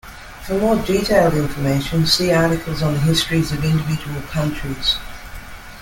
For more detailed information, see articles on the histories of individual countries.